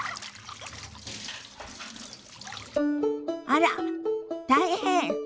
あら大変！